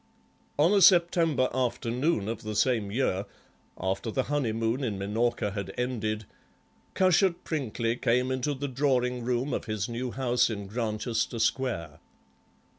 On a September afternoon of the same year, after the honeymoon in Minorca had ended, Cushat Prinkly came into the drawing room of his new house in Granchester Square.